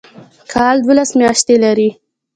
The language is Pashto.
کال دوولس میاشتې لري